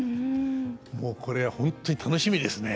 もうこれは本当に楽しみですね。